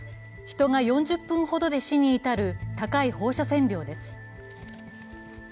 人が４０分ほどで死に至る高い放射線量です。